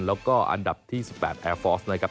แล้วก็อันดับที่๑๘แอร์ฟอร์สนะครับ